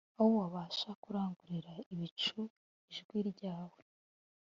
“aho wabasha kurangururira ibicu ijwi ryawe